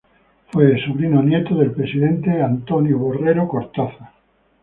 Fue sobrino nieto del presidente Antonio Borrero Cortázar.